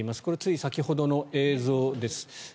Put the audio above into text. これはつい先ほどの映像です。